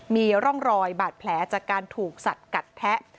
มีร่องรอยบาดแผลจากการถูกสัดกัดแทะ